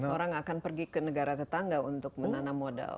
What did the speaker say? orang akan pergi ke negara tetangga untuk menanam modal